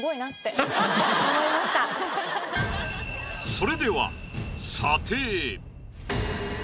それでは。